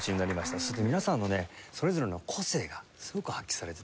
そして皆さんのねそれぞれの個性がすごく発揮されてて。